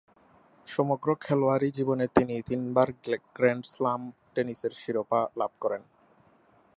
সমগ্র খেলোয়াড়ী জীবনে তিনি তিনবার গ্র্যান্ড স্ল্যাম টেনিসের শিরোপা লাভ করেন।